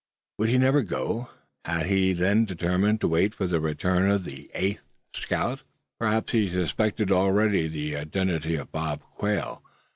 Would he never go? Had he then determined to wait for the return of the eighth scout? Perhaps he suspected already the identity of Bob Quail.